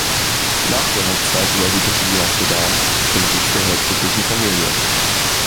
Nach der Hochzeit übersiedelte sie nach Sedan, dem Sitz der herzoglichen Familie.